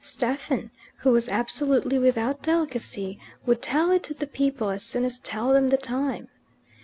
Stephen, who was absolutely without delicacy, would tell it to the people as soon as tell them the time.